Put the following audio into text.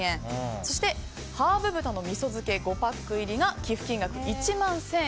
そしてハーブ豚の味噌漬け５パック入りが寄付金額１万１０００円。